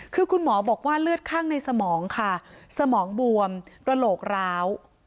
คือคุณหมอบอกว่าเลือดข้างในสมองค่ะสมองบวมกระโหลกร้าว